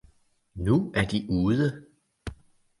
'Nu er de ude!